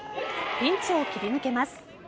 ピンチを切り抜けます。